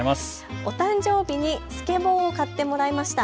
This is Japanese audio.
お誕生日にスケボーを買ってもらいました。